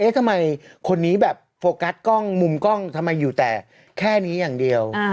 ทำไมคนนี้แบบโฟกัสกล้องมุมกล้องทำไมอยู่แต่แค่นี้อย่างเดียว